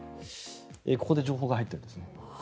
ここで情報が入ったようですね。